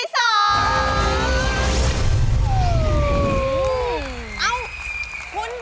คุณไปยืนสักไก่เลย